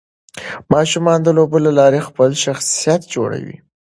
ماشومان د لوبو له لارې خپل شخصيت جوړوي.